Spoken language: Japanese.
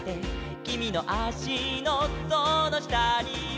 「きみのあしのそのしたには」